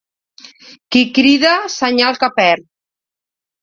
Qui crida, senyal que perd.